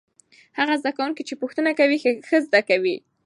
هغه زده کوونکي چې پوښتنه کوي ښه زده کوي.